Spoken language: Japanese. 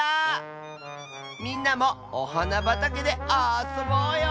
みんなもおはなばたけであそぼうよ。